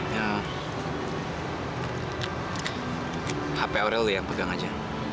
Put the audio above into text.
ya hape aurel yang pegang aja